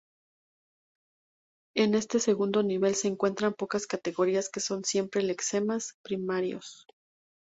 En este segundo nivel se encuentran pocas categorías que son siempre lexemas primarios.